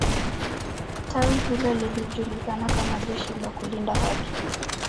tawi hilo lilijulikana kama jeshi la kulinda haki